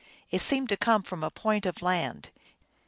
It seemed to come from a point of land.